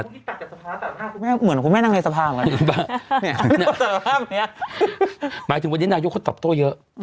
ท่านคุมกำลังขึ้นเวลากินต่อเยอะ